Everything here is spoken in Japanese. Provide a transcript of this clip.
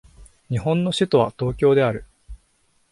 日本の首都は東京である